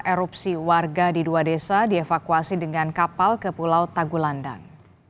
erupsi warga di dua desa dievakuasi dengan kapal ke pulau tagulandang